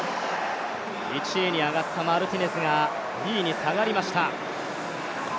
１位に上がったマルティネスが２位に下がりました。